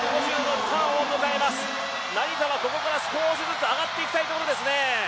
成田はここから少しずつ上がっていきたいところですね。